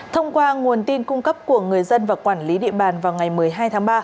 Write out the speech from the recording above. thông qua nguồn tin cung cấp của người dân và quản lý địa bàn vào ngày một mươi hai tháng ba